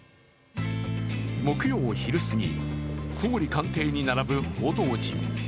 木曜昼すぎ、総理官邸に並ぶ報道陣。